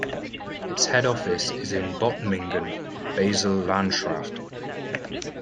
Its head office is in Bottmingen, Basel-Landschaft.